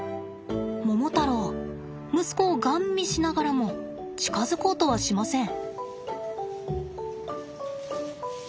モモタロウ息子をガン見しながらも近づこうとはしません。